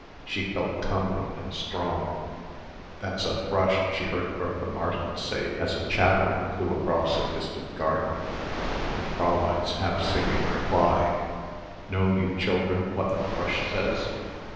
She felt comely and strong. "That's a thrush," she heard Bertha Martin say as a chattering flew across a distant garden and Fräulein's half singing reply, "Know you, children, what the thrush says?